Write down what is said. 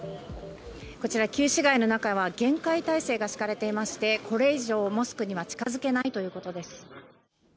こちら、旧市街の中は厳戒態勢が敷かれていまして、これ以上モスクには近づけないということです。